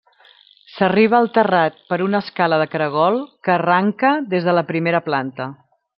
S'arriba al terrat per una escala de caragol que arranca des de la primera planta.